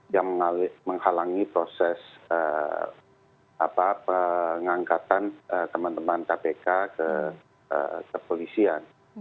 yang menghalangi proses pengangkatan teman teman kpk ke kepolisian